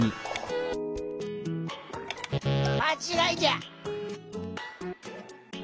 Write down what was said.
「まちがいじゃ！」。